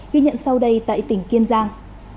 ghi nhận sau đây tại tỉnh kiên giang